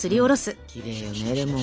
きれいよねレモン